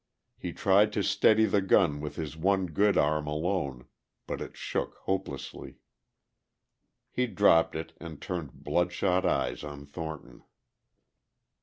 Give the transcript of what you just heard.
He tried to steady the gun with his one good arm alone, but it shook hopelessly. He dropped it and turned bloodshot eyes on Thornton.